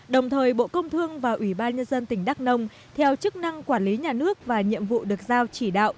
đồng thời bộ công thương và ubnd tỉnh đắc nông theo chức năng quản lý nhà nước và nhiệm vụ được giao chỉ đạo